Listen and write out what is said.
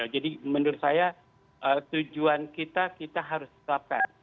jadi menurut saya tujuan kita kita harus menetapkan